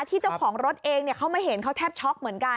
เจ้าของรถเองเขามาเห็นเขาแทบช็อกเหมือนกัน